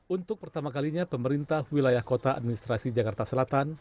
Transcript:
untuk pertama kalinya pemerintah wilayah kota administrasi jakarta selatan